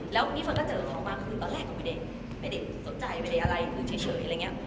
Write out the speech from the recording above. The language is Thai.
แล้วนี่เฟิร์นก็เจอเขามาคือตอนแรกก็ไม่ได้สนใจไม่ได้อะไรคือเฉยอะไรอย่างนี้